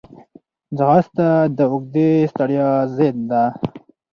ځغاسته د اوږدې ستړیا ضد ده